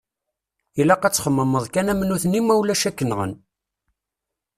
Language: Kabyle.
Ilaq ad txemmemeḍ kan am nutni ma ulac ad k-nɣen.